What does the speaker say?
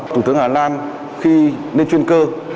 thủ tướng hà lan khi lên chuyên cơ